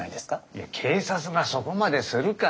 いや警察がそこまでするかね？